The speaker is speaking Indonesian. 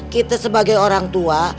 kita sebagai orang tua